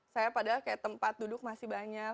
saya padahal kayak tempat duduk masih banyak